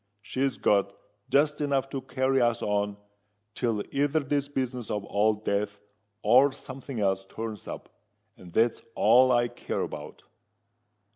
She's got just enough to carry us on till either this business of Old Death or some thing else turns up: and that's all I care about."